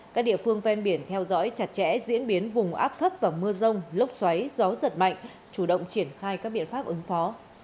các địa phương ven biển theo dõi chặt chẽ diễn biến vùng áp thấp và mưa rông lốc xoáy gió giật mạnh chủ động triển khai các biện pháp ứng phó